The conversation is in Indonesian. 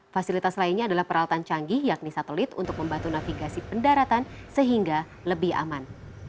fasilitas lainnya adalah peralatan canggih yakni satelit untuk membantu navigasi pendaratan sehingga lebih aman